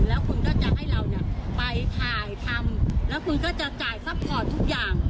แล้วคุณก็จะให้เราเนี่ยไปถ่ายทำแล้วคุณก็จะจ่ายซัพพอร์ตทุกอย่าง